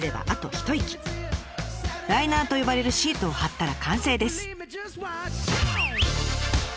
ライナーと呼ばれるシートをはったら完成です。